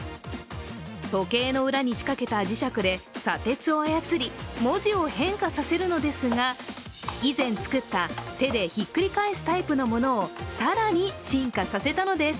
時計の裏に仕掛けた磁石で砂鉄を操り、文字を変化させるのですが以前作った手でひっくり返すタイプのものを更に進化させたのです。